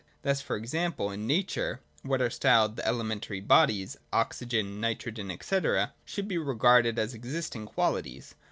Thus, for example, in Nature what are styled the elementary bodies, oxygen, nitrogen, c&c, should be regarded as existing qualities.